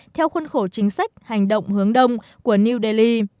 theo khuôn khổ chính sách hành động hướng đông của new delhi